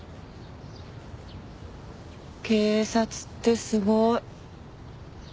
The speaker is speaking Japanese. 警察ってすごい。